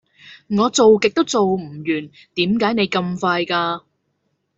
我做極都做唔完點解你咁快㗎